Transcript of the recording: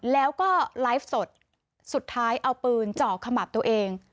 แล้วก็ไลฟ์สดสุดท้ายเอาปืนเจาะขมับตัวเอง